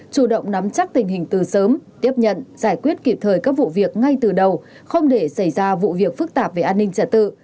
chủ động nắm chắc tình hình từ sớm tiếp nhận giải quyết kịp thời các vụ việc ngay từ đầu không để xảy ra vụ việc phức tạp về an ninh trả tự